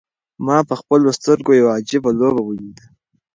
ما په خپلو سترګو یوه عجیبه لوبه ولیده.